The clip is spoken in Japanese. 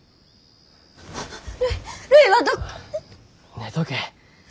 寝とけ。